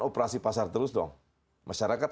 operasi pasar terus dong masyarakat